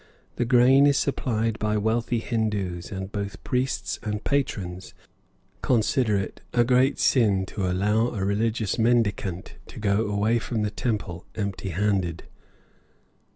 The grain is supplied by wealthy Hindoos, and both priests and patrons consider it a great sin to allow a religious mendicant to go away from the temple empty handed.